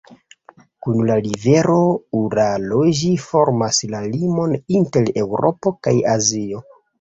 Kun la rivero Uralo ĝi formas la limon inter Eŭropo kaj Azio.